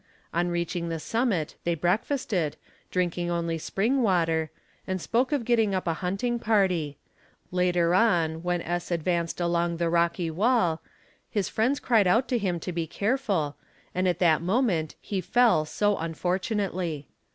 On reaching the summit they breakfasted, drinking only spring 84 EXAMINATION OF WITNESSES water, and spoke of getting up a hunting party; later on when 8. advanced along the rocky wall, his friends cried out to him to be careful, and at that moment he fell so unfortunately.